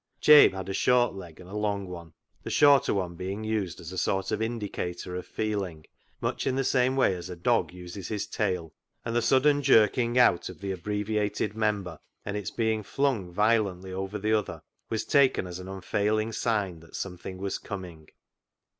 Jabe had a short leg and a long one, the 14 CLOG SHOP CHRONICLES shorter one being used as a sort of indicator of feeling, much in the same way as a dog uses his tail, and the sudden jerking out of the abbreviated member and its being flung violently over the other was taken as an un failing sign that something was coming.